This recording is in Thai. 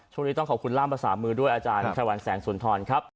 ช่วงนี้ต้องขอบคุณล่ามภาษามือด้วยอาจารย์ชะวันแสงสุนทรครับ